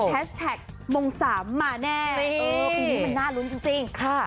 แทชแทกโมงสามมาแลน่ารุ้นจริงค่ะ